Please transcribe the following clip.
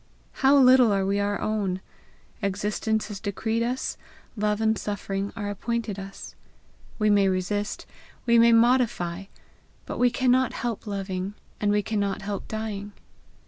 How little are we our own! Existence is decreed us; love and suffering are appointed us. We may resist, we may modify; but we cannot help loving, and we cannot help dying.